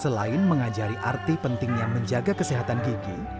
selain mengajari arti pentingnya menjaga kesehatan gigi